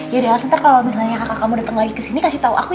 yaudah entar kalau misalnya kakak kamu dateng lagi kesini kasih tau aku ya